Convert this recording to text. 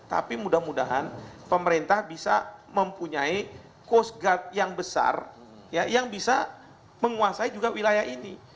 tapi mudah mudahan pemerintah bisa mempunyai coast guard yang besar yang bisa menguasai juga wilayah ini